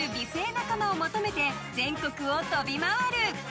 仲間を求めて全国を飛び回る。